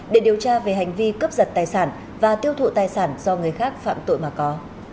để điều tra về hành vi cướp giật tài sản và tiêu thụ tài sản do người khác phạm tội mà có